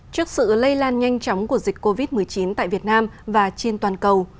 trước sự lây lan nhanh chóng của dịch covid một mươi chín tại việt nam và trên toàn cầu